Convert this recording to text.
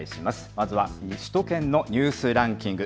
まずは首都圏のニュースランキング。